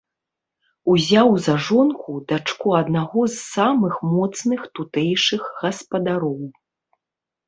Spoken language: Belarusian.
Узяў за жонку дачку аднаго з самых моцных тутэйшых гаспадароў.